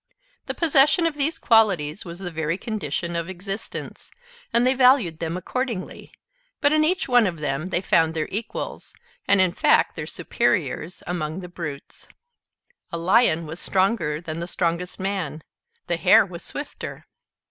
The possession of these qualities was the very condition of existence, and they valued them accordingly; but in each one of them they found their equals, and in fact their superiors, among the brutes. A lion was stronger than the strongest man. The hare was swifter.